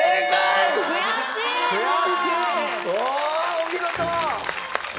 お見事！